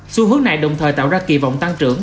xu hướng này đồng thời tạo ra kỳ vọng tăng trưởng